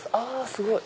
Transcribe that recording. すごい！